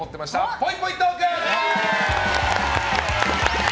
ぽいぽいトーク！